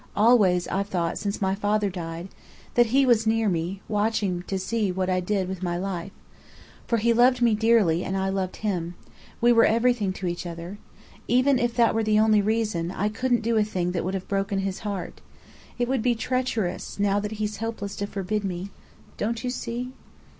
Always I've thought since my father died, that he was near me, watching to see what I did with my life. For he loved me dearly, and I loved him. We were everything to each other. Even if that were the only reason, I couldn't do a thing that would have broken his heart. It would be treacherous, now that he's helpless to forbid me. Don't you see?"